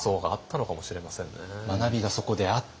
学びがそこであって。